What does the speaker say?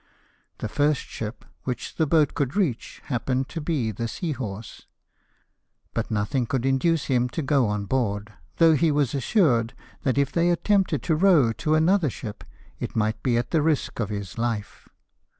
The first ship which the boat could reach happened to be the Seah<rri<e ; but 118 LIFE OF NELSON. nothing could induce him to go on board, though he was assured that if they attempted to row to another ship it might be at the risk of his hfe.